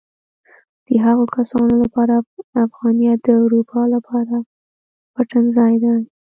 د هغو کسانو لپاره افغانیت د اروپا لپاره پټنځای دی.